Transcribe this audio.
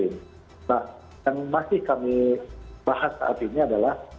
nah yang masih kami bahas saat ini adalah